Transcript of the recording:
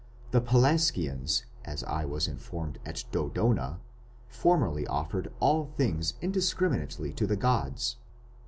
"The Pelasgians, as I was informed at Dodona," wrote Herodotus, "formerly offered all things indiscriminately to the gods.